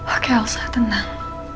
oke elsa tenang